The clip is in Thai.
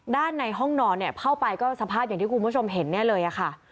ด้านในห้องนอนเข้าไปก็สภาพอย่างที่คุณผู้ชมเห็นเลยค่ะ